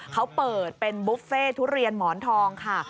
เขาเปิดเป็นบุฟเฟ่ทุเรียนหมอนทองค่ะ